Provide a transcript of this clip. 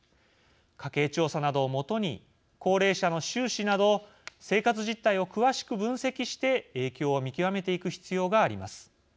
家計調査などを基に高齢者の収支など生活実態を詳しく分析して影響を見極めていく必要があります。